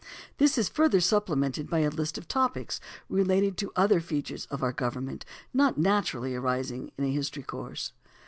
This is further supplemented by a list of topics, relating to other features of our government not naturally arising in a history course.